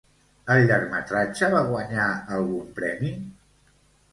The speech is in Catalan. El llargmetratge va guanyar algun premi?